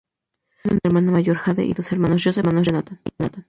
Ella tiene una hermana mayor, Jade, y dos hermanos, Joseph y Jonathan.